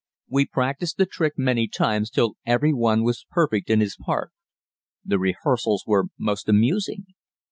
We practiced the trick many times till every one was perfect in his part. The rehearsals were most amusing.